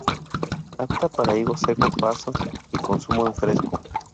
Apta para higo seco paso y consumo en fresco.